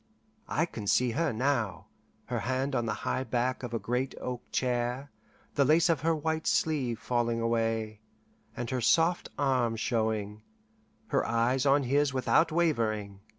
I can see her now, her hand on the high back of a great oak chair, the lace of her white sleeve falling away, and her soft arm showing, her eyes on his without wavering.